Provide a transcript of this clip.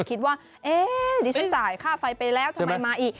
คิดว่าเอ๊ะดิฉันจ่ายค่าไฟไปแล้วทำไมมาอีก